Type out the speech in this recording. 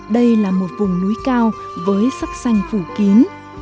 đây là một vùng núi cao với sắc xanh phủ kín